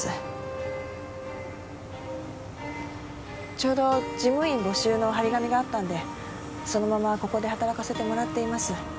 ちょうど事務員募集の貼り紙があったんでそのままここで働かせてもらっています。